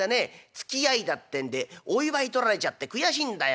つきあいだってんでお祝い取られちゃって悔しいんだよ。